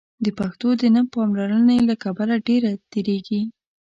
د پښتو د نه پاملرنې له کبله ډېره تېرېږي.